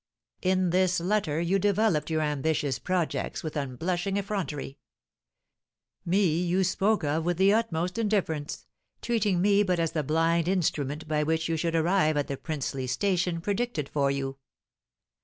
"In this letter you developed your ambitious projects with unblushing effrontery. Me you spoke of with the utmost indifference, treating me but as the blind instrument by which you should arrive at the princely station predicted for you.